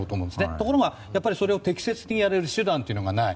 ところが、それを適切にやれる手段がない。